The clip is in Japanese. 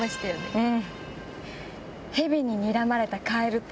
うん？